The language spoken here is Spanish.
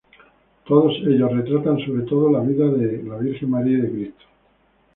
Todos ellos retratan sobre todo, la vida de la Virgen María y de Cristo.